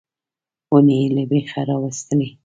ونې یې له بېخه راویستلې.